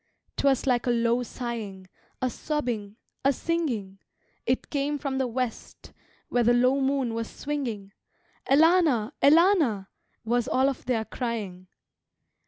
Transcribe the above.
"'Twas like a low sighing, A sobbing, a singing; It came from the west, Where the low moon was swinging: 'Elana, Elana' Was all of their crying.